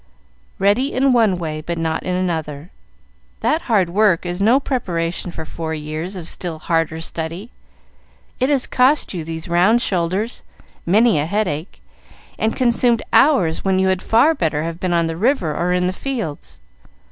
"Ready in one way, but not in another. That hard work is no preparation for four years of still harder study. It has cost you these round shoulders, many a headache, and consumed hours when you had far better have been on the river or in the fields.